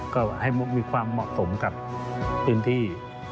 ก็ให้มีความเหมาะสมกับพื้นที่